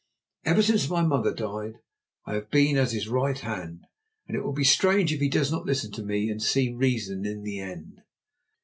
Ever since my mother died I have been as his right hand, and it will be strange if he does not listen to me and see reason in the end."